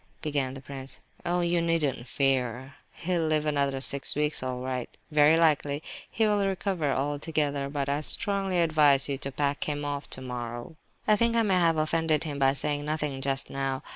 began the prince. "Oh, you needn't fear! He'll live another six weeks all right. Very likely he will recover altogether; but I strongly advise you to pack him off tomorrow." "I think I may have offended him by saying nothing just now.